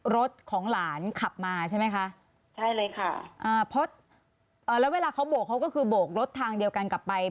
รถของหลานขับมาใช่ไหมคะใช่เลยค่ะอ่าเพราะเอ่อแล้วเวลาเขาโบกเขาก็คือโบกรถทางเดียวกันกลับไป